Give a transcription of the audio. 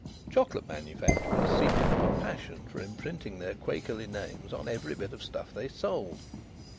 Chocolate manufacturers seemed to have a passion for imprinting their Quakerly names on every bit of stuff they sold.